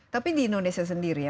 tapi di indonesia sendiri ya